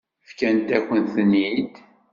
Fkant-akent-ten-id.